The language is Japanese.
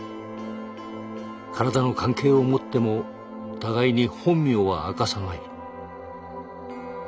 体の関係を持っても互いに本名は明かさない。